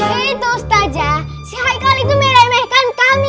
itu ustadzah si haikal itu meremehkan kami